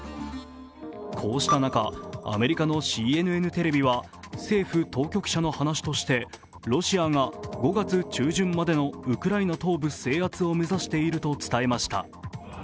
こうした中、アメリカのＣＮＮテレビは政府当局者の話としてロシアが５月中旬までのウクライナ東部制圧を目指していると伝えました。